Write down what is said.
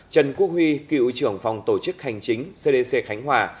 trần quốc huy cựu trưởng phòng tổ chức hành chính cdc khánh hòa